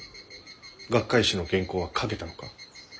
学会誌の原稿は書けたのか？